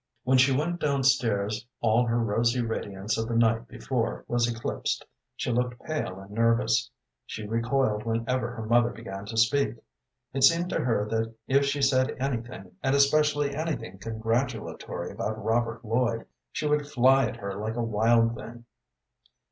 When she went down stairs all her rosy radiance of the night before was eclipsed. She looked pale and nervous. She recoiled whenever her mother began to speak. It seemed to her that if she said anything, and especially anything congratulatory about Robert Lloyd, she would fly at her like a wild thing.